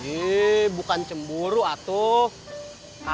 ih bukan cemburu atuh